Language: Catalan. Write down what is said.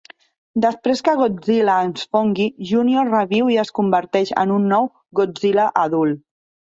Després que Godzilla es fongui, Junior reviu i es converteix en un nou Godzilla adult.